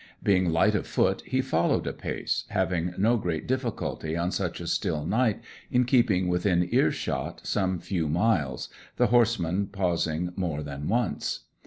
Being light of foot he followed apace, having no great difficulty on such a still night in keeping within earshot some few miles, the horseman pausing more than once.